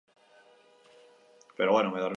Aldaketetara egokitzen bazara dena ondo joango zaizu.